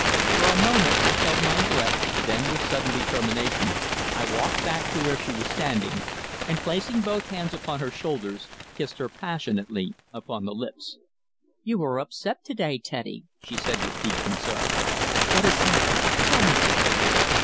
For a moment I held my breath, then, with sudden determination, I walked back to where she was standing, and placing both hands upon her shoulders, kissed her passionately upon the lips. "You are upset to day, Teddy," she said, with deep concern. "What has happened? Tell me, dear."